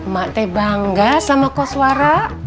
mak te bangga sama koswara